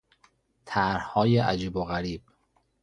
طرحهای عجیب و غریب